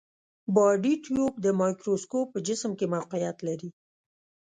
بادي ټیوب د مایکروسکوپ په جسم کې موقعیت لري.